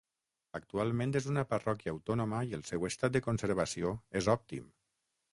Actualment és una parròquia autònoma i el seu estat de conservació és òptim.